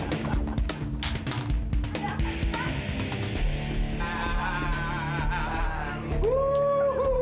ada apa pak